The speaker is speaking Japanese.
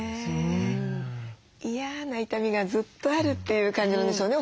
嫌な痛みがずっとあるという感じなんでしょうね